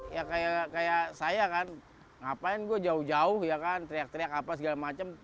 ya kayak saya kan ngapain gue jauh jauh ya kan teriak teriak apa segala macem